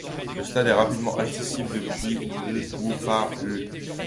Le stade est rapidement accessible depuis l' ou par l'.